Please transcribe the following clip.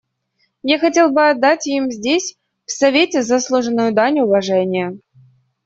Я хотел бы отдать им здесь, в Совете, заслуженную дань уважения.